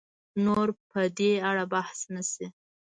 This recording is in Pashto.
نور په دې اړه بحث نه شي